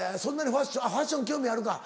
あっファッション興味あるか。